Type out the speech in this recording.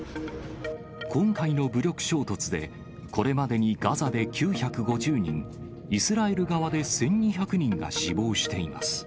今回の武力衝突で、これまでにガザで９５０人、イスラエル側で１２００人が死亡しています。